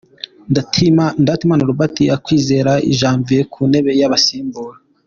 Ndatimana Robert na Kwizera Janvier ku ntebe y'abasimbura.